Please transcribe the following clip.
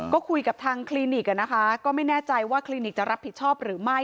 ก็คุยกับทางคลินิกนะคะก็ไม่แน่ใจว่าคลินิกจะรับผิดชอบหรือไม่